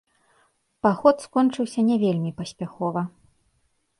Паход скончыўся не вельмі паспяхова.